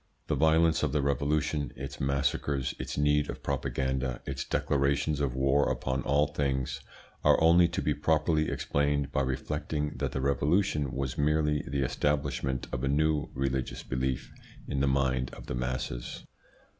The violence of the Revolution, its massacres, its need of propaganda, its declarations of war upon all things, are only to be properly explained by reflecting that the Revolution was merely the establishment of a new religious belief in the mind of the masses.